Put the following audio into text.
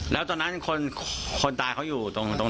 แล้วตอนนั้นคนตายเขาอยู่ตรง